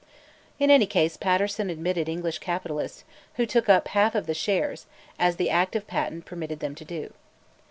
In any case Paterson admitted English capitalists, who took up half of the shares, as the Act of Patent permitted them to do.